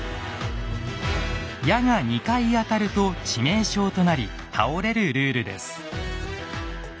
矢が２回当たると致命傷となり倒れるルールです。